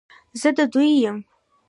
زه د دوی یم،